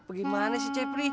yah gimana sih cepri